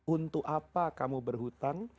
untuk apa kamu berhutang